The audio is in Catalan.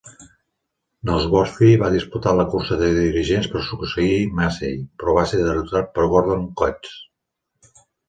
Nosworthy va disputar la cursa de dirigents per succeir Massey, però va ser derrotat per Gordon Coates.